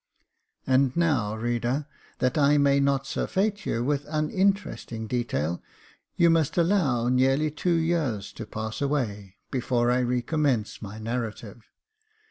And now, reader, that I may not surfeit you with an un interesting detail, you must allow nearly two years to pass away before I recommence my narrative.